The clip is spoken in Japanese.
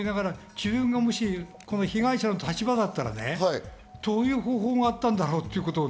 自分がもし被害者の立場だったらどういう方法があったんだろうという。